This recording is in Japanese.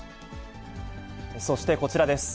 そしてこちらです。